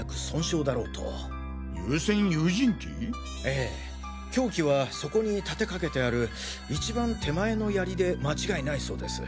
ええ凶器はそこに立てかけてある一番手前の槍で間違いないそうです。